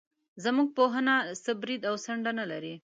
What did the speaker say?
زموږ پوهنه څه برید او څنډه نه لري.